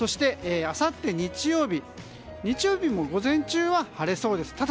あさって日曜日日曜日も午前中は晴れそうです。